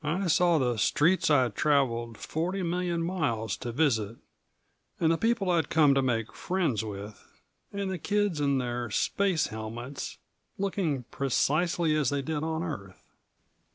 I saw the streets I'd traveled forty million miles to visit, and the people I'd come to make friends with, and the kids in their space helmets, looking precisely as they did on Earth.